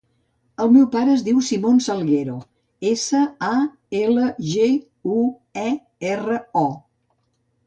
El meu pare es diu Simon Salguero: essa, a, ela, ge, u, e, erra, o.